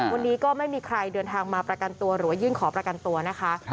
วันนี้ก็ไม่มีใครเดินทางมาประกันตัวหรือว่ายื่นขอประกันตัวนะคะ